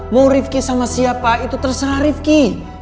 mau rifki sama siapa itu terserah rifki